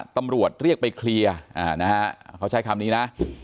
ตำรวจเรียกไปเคลียร์นะฮะเขาใช้คำนี้นะ